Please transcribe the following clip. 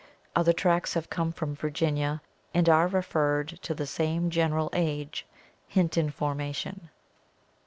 Other tracks have come from Virginia and are referred to the same general age (Hinton formation).